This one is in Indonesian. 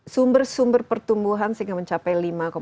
sumber sumber pertumbuhan sehingga mencapai